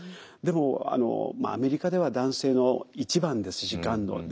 でもアメリカでは男性の１番ですしがんの。